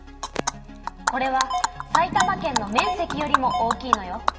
これは埼玉県の面積よりも大きいのよ。